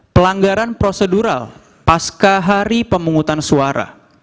pelanggaran prosedural pasca hari pemungutan suara